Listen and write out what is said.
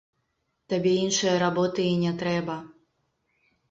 Табе іншае работы і не трэба.